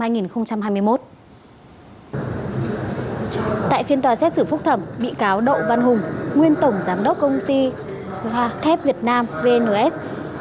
tại phiên tòa xét xử phúc thẩm bị cáo độ văn hùng nguyên tổng giám đốc công ty thép việt nam vns